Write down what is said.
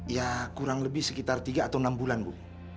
ya kurang lebih sekitar tiga atau enam bulan bu